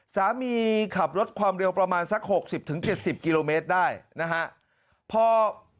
ขับรถความเร็วประมาณสัก๖๐๗๐กิโลเมตรได้นะฮะพอ